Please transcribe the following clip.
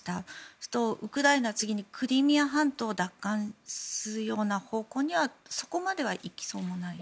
そうするとウクライナは次にクリミア半島を奪還するような方向にはそこまではいきそうにない？